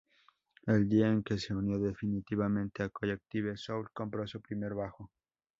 El día en que se unió definitivamente a Collective Soul, compró su primer bajo.